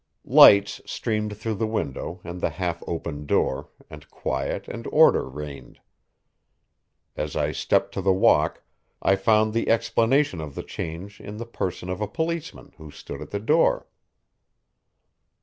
Lights streamed through the window and the half opened door, and quiet and order reigned. As I stepped to the walk, I found the explanation of the change in the person of a policeman, who stood at the door.